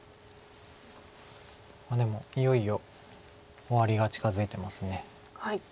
でもいよいよ終わりが近づいてます。